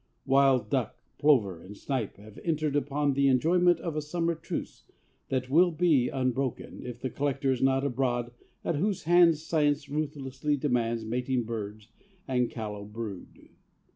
Wild duck, plover, and snipe have entered upon the enjoyment of a summer truce that will be unbroken, if the collector is not abroad at whose hands science ruthlessly demands mating birds and callow brood.